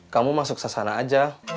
kamu masuk sesana aja